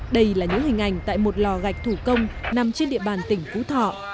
đây là những hình ảnh tại một lò gạch thủ công nằm trên địa bàn tỉnh phú thọ